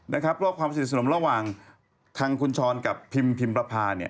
เพราะว่าความสนิทสนมระหว่างทางคุณชรกับพิมพ์พิมพระพาเนี่ย